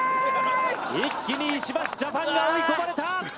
一気に石橋ジャパンが追い込まれた。